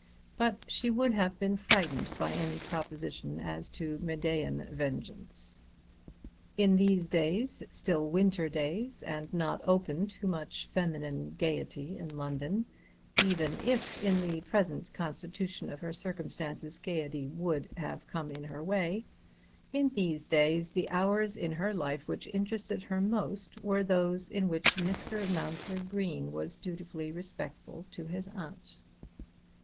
But she would have been frightened by any proposition as to Medean vengeance. In these days, still winter days, and not open to much feminine gaiety in London, even if, in the present constitution of her circumstances, gaiety would have come in her way, in these days the hours in her life which interested her most, were those in which Mr. Mounser Green was dutifully respectful to his aunt.